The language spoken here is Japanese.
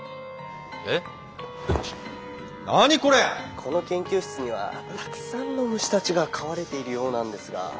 「この研究室にはたくさんの虫たちが飼われているようなんですが」。